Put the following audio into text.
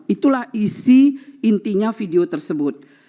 itulah isi intinya video tersebut